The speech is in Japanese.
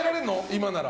今なら。